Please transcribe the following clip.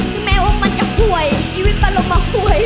ถึงแม้ว่ามันจะควยชีวิตต้องลงมาควย